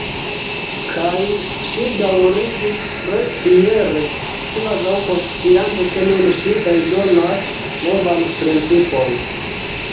Kaj ŝi daŭrigis tre fiere, kvazaŭ konsciante ke nun ŝi eldonas novan principon.